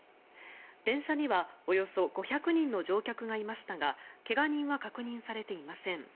電車にはおよそ５００人の乗客がいましたが怪我人は確認されていません。